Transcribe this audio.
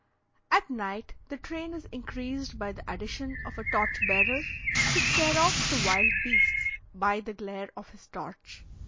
At night the train is increased by the addition of a torch bearer, to scare off the wild beasts by the glare of his torch.